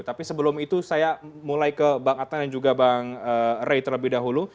tapi sebelum itu saya mulai ke bang adnan dan juga bang ray terlebih dahulu